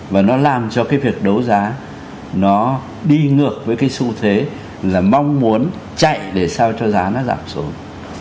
và nó làm cho cái việc đấu giá nó đi ngược với cái xu thế là mong muốn chạy để sao cho giá nó giảm xuống